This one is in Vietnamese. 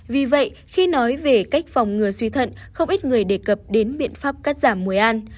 vì vậy khi nói về cách phòng ngừa suy thận không ít người đề cập đến biện pháp cắt giảm muối ăn